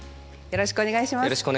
よろしくお願いします。